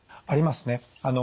ありますね。